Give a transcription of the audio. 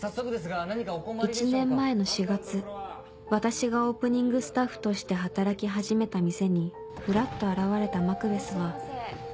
１年前の４月私がオープニングスタッフとして働き始めた店にふらっと現れたマクベスはいらっしゃいませ。